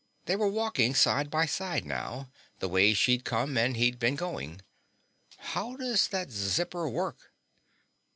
They were walking side by side now, the way she'd come and he'd been going. "How does that zipper work?"